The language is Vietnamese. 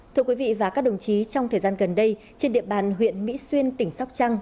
thưa quý vị và các đồng chí trong thời gian gần đây trên địa bàn huyện mỹ xuyên tỉnh sóc trăng